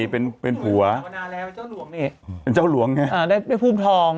เป็นผัวเป็นเจ้าหลวงไงอ๋อได้ภูมิทอง